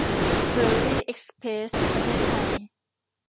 เคอรี่ เอ็กซ์เพรส ประเทศไทย